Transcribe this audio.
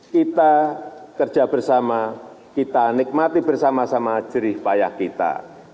kita kerja bersama kita nikmati bersama sama jerih payah kita